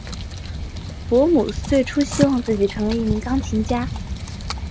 伯姆最初希望自己成为一名钢琴家。